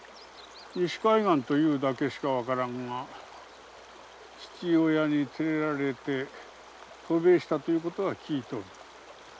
西海岸というだけしか分からんが父親に連れられて渡米したということは聞いとる。